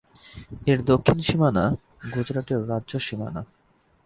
এর দক্ষিণ সীমানা গুজরাটের রাজ্য সীমানা।